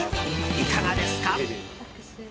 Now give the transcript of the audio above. いかがですか？